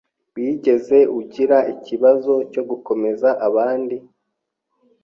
Wigeze ugira ikibazo cyo gukomeza abandi?